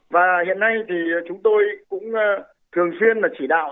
và hiện nay thì chúng tôi cũng thường xuyên là chỉ đạo